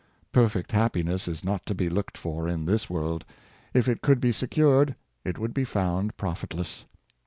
Perfect happiness is not to be looked for in this world. If it could be secured, it would be found profitless.